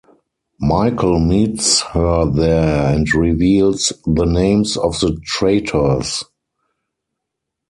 Michael meets her there and reveals the names of the traitors.